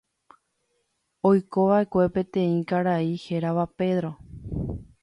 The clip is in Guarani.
Oikova'ekue peteĩ karai hérava Pedro.